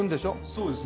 そうですね